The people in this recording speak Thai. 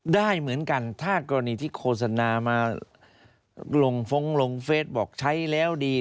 ได้เหมือนกันถ้ากรณีที่โฆษณามาลงฟ้องลงเฟสบอกใช้แล้วดี